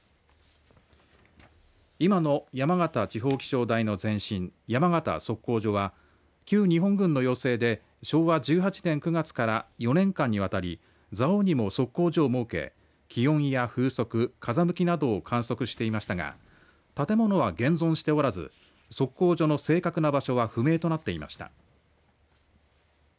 今の山形地方気象台の前身山形測候所は旧日本軍の要請で昭和１８年９月から４年間にわたり蔵王にも測候所を設け気温や風速、風向きなどを観測していましたが建物は現存しておらず測候所の正確な場所は不明となっていました。